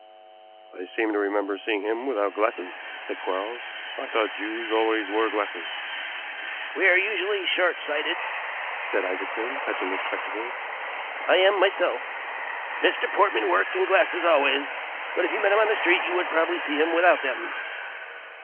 "I seem to remember seeing him without glasses," said Quarles. "I thought Jews always wore glasses." "We are usually short sighted," said Isaacson, touching his spectacles, "I am myself. Mr. Portman worked in glasses always, but if you met him in the street you would probably see him without them."